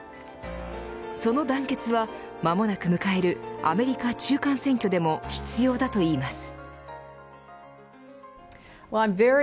その団結は間もなく迎えるアメリカ中間選挙でも必要だといいます。